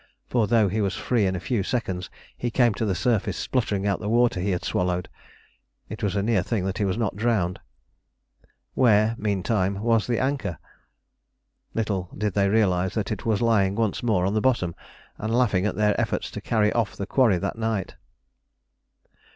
For though he was free in a few seconds, he came to the surface spluttering out the water he had swallowed. It was a near thing that he was not drowned. Where, meantime, was the anchor? Little did they realise that it was lying once more on the bottom and laughing at their efforts to carry off the quarry that night.